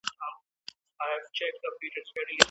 مرکزي کتابتون بې هدفه نه تعقیبیږي.